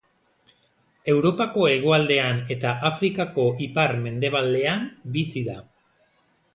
Europako hegoaldean eta Afrikako ipar-mendebalean bizi da.